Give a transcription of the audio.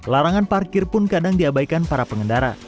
larangan parkir pun kadang diabaikan para pengendara